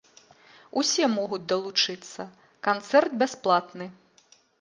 Усе могуць далучыцца, канцэрт бясплатны!